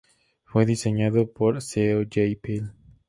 Fue diseñado por Seo Jae-pil.